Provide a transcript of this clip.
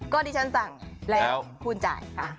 ก็ดิฉันสั่งแล้วคุณจ่ายค่ะ